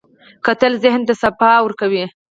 کتل ذهن ته صفا ورکوي